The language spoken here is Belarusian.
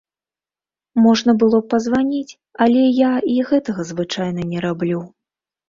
Можна было б пазваніць, але я і гэтага звычайна не раблю.